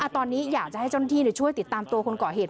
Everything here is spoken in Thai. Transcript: ตอนนี้อยากจะให้เจ้าหน้าที่ช่วยติดตามตัวคนก่อเหตุ